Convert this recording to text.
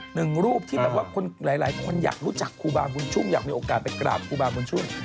หนึ่งรูปที่แบบว่าคนหลายคนอยากรู้จักครูบาบุญชุ่มอยากมีโอกาสไปกราบครูบาบุญชุ่ม